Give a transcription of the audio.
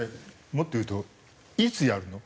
もっと言うといつやるの？